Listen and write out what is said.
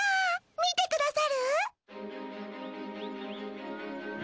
みてくださる？